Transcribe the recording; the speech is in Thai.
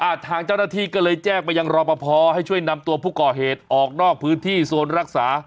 ทางเจ้าหน้าที่ก็เลยแจ้งไปยังรอปภให้ช่วยนำตัวผู้ก่อเหตุออกนอกพื้นที่โซนรักษา